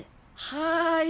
はい。